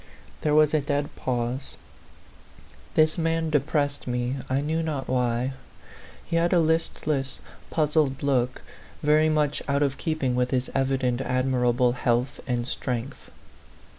There was a dead pause. This man de pressed me, I knew not why. He had a listless, puzzled look, very much out of keep ing with his evident admirable health and strength.